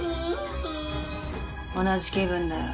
同じ気分だよ。